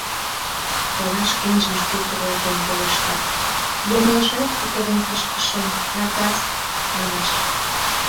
Вара шкенжым шке тӧрлатен пелешта: — Йоҥылышат кутырен кышкышым, накас! — манеш.